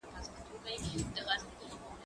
که وخت وي، مينه څرګندوم!؟